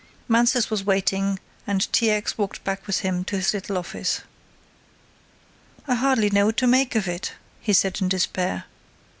Mansus was waiting and T. X. walked back with him to his little office. "I hardly know what to make of it," he said in despair.